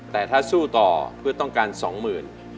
แต่ถ้าสู้ต่อเพื่อต้องการสองหมื่น